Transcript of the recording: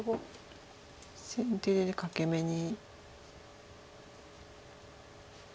先手で欠け眼に。